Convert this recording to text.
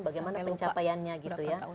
bagaimana pencapaiannya gitu ya